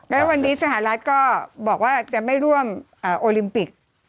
แล้ววันนี้สหรัฐก็บอกว่าจะไม่ร่วมโอลิมปิก